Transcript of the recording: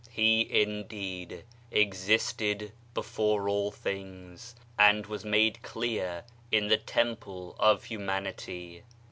He indeed existed before all things, and was made clear in the temple of humanity.